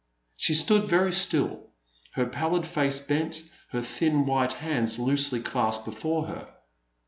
She stood very still, her pallid face bent, her thin white hands loosely clasped before her.